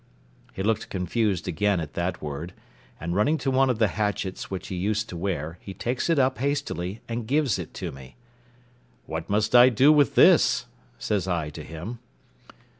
He looked confused again at that word; and running to one of the hatchets which he used to wear, he takes it up hastily, and gives it to me. "What must I do with this?" says I to him.